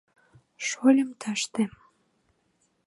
— Шольым тыште.